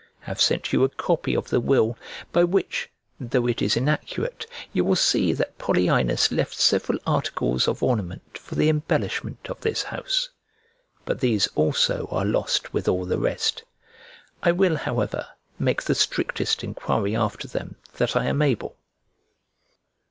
I have sent you a copy of the will, by which, though it is inaccurate, you will see that Polyaenus left several articles of ornament for the embellishment of this house; but these also are lost with all the rest: I will, however, make the strictest enquiry after them that I am able.